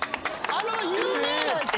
あの有名なやつ！？